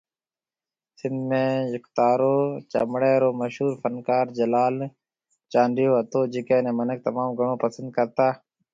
سنڌ ۾ يڪتارو چپڙي رو مشهور فنڪار جلال چانڊيو هتو جڪي ني منک تموم گھڻو پسند ڪرتا